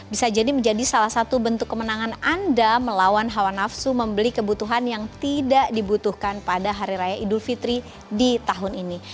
bisa jadi menjadi salah satu bentuk kemenangan anda melawan hawa nafsu membeli kebutuhan yang tidak dibutuhkan pada hari raya idul fitri di tahun ini